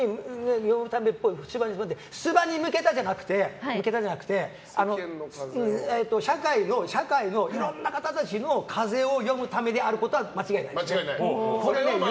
出馬に向けたじゃなくて社会のいろんな方たちの風を読むためであることは間違いないです。